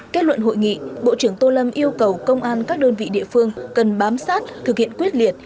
kết luận hội nghị bộ trưởng tô lâm yêu cầu công an các đơn vị địa phương cần bám sát thực hiện quyết liệt